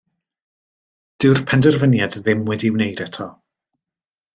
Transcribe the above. Dyw'r penderfyniad ddim wedi'i wneud eto.